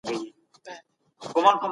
د علم اهميت تر هر څه زيات دی.